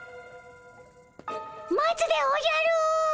待つでおじゃる！